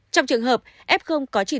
trong trường hợp f đủ điều kiện cách ly tại nhà